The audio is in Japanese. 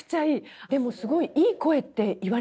でもすごいいい声って言われませんか？